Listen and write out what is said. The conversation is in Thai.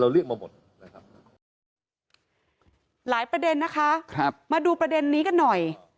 เรียกมาหมดนะครับหลายประเด็นนะคะครับมาดูประเด็นนี้กันหน่อย